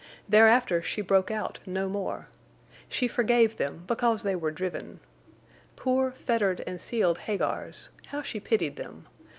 Thereafter she broke out no more. She forgave them because they were driven. Poor, fettered, and sealed Hagars, how she pitied them!